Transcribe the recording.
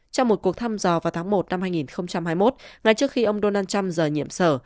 trong một cuộc thăm dò vào tháng một năm hai nghìn hai mươi một ngay trước khi ông donald trump rời nhiệm sở